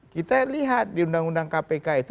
kita lihat di undang undang kpk itu